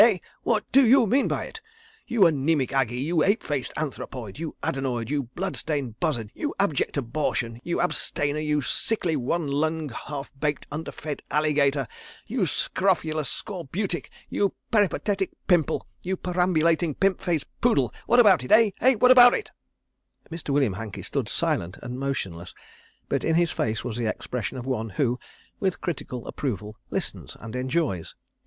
Eh? ... What d'ye mean by it, you anæmic Aggie; you ape faced anthropoid; you adenoid; you blood stained buzzard; you abject abortion; you abstainer; you sickly, one lunged, half baked, under fed alligator; you scrofulous scorbutic; you peripatetic pimple; you perambulating pimp faced poodle; what about it? Eh? What about it?" Mr. William Hankey stood silent and motionless, but in his face was the expression of one who, with critical approval, listens and enjoys.